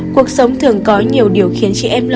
cuộc sống thường có nhiều điều khiến chị em đau khổ